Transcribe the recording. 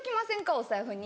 お財布に。